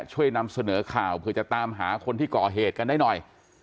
ช่วยนำเสนอข่าวเผื่อจะตามหาคนที่ก่อเหตุกันได้หน่อย